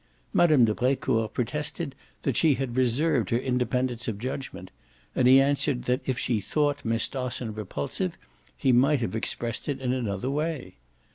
Mme. de Brecourt protested that she had reserved her independence of judgement, and he answered that if she thought Miss Dosson repulsive he might have expressed it in another way.